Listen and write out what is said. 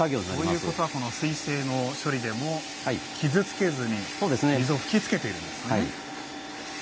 ということは水性の処理でも傷つけずに水を吹きつけているんですね。